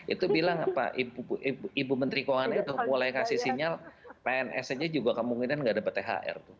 itu bilang ibu menteri keuangan itu mulai kasih sinyal pns aja juga kemungkinan nggak dapat thr tuh